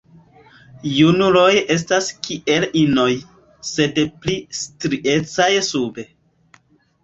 Junuloj estas kiel inoj, sed pli striecaj sube.